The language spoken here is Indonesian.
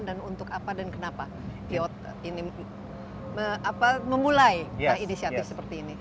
dan untuk apa dan kenapa pyotr ini memulai inisiatif seperti ini